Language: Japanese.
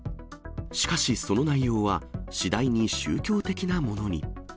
しかし、その内容は、次第に宗教的なものに。